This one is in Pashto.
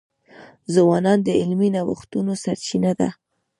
ځوانان د علمي نوښتونو سرچینه ده.